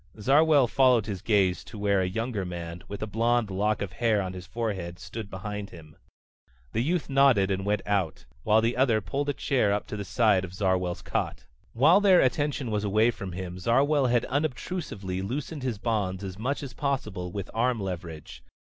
Zarwell followed his gaze to where a younger man, with a blond lock of hair on his forehead, stood behind him. The youth nodded and went out, while the other pulled a chair up to the side of Zarwell's cot. While their attention was away from him Zarwell had unobtrusively loosened his bonds as much as possible with arm leverage.